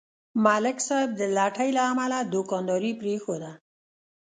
ملک صاحب د لټۍ له امله دوکانداري پرېښوده.